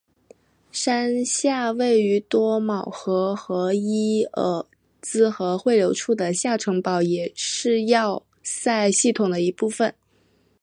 山下位于多瑙河和伊尔茨河汇流处的下城堡也是要塞系统的一部分。